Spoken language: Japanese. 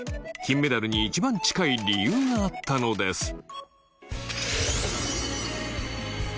金メダルに一番近い理由があったのです。